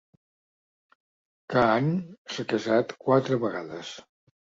Caan s'ha casat quatre vegades.